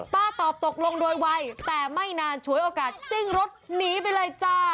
ตอบตกลงโดยวัยแต่ไม่นานฉวยโอกาสซิ่งรถหนีไปเลยจ้า